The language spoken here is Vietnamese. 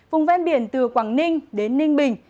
vùng ven biển từ quảng ninh đến ninh bình